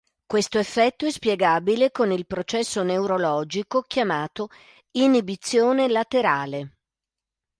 Questo effetto è spiegabile con il processo neurologico chiamato "inibizione laterale".